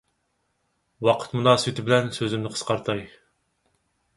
ۋاقىت مۇناسىۋىتى بىلەن سۆزۈمنى قىسقارتاي.